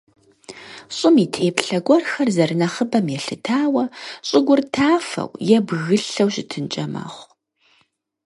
ЩӀым и теплъэ гуэрхэр зэрынэхъыбэм елъытауэ щӀыгур тафэу е бгылъэу щытынкӀэ мэхъу.